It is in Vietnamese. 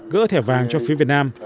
gỡ thẻ vàng cho phía việt nam